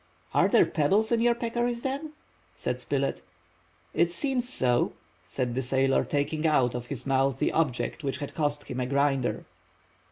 "Are there pebbles in your peccaries, then?" said Spilett. "It seems so," said the sailor, taking out of his mouth the object which had cost him a grinder.